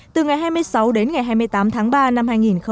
từ ngày hai mươi sáu đến ngày hai mươi tám tháng ba năm hai nghìn một mươi bảy